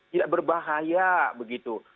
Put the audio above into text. tidak berbahaya begitu